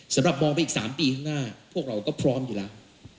สำหรับมองไปอีก๓ปีข้างหน้าพวกเราก็พร้อมอยู่แล้ว